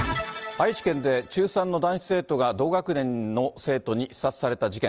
愛知県で中３の男子生徒が同学年の生徒に刺殺された事件。